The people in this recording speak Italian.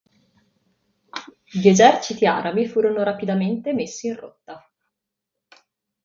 Gli eserciti arabi furono rapidamente messi in rotta.